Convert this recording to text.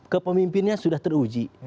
kepemimpinnya sudah teruji